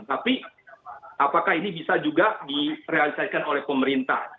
tapi apakah ini bisa juga direalisasikan oleh pemerintah